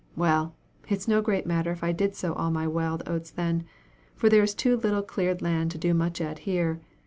Well! it's no great matter if I did sow all my wild oats then, for there is too little cleared land to do much at it here.